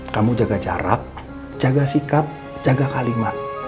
kamu jaga jarak jaga sikap jaga kalimat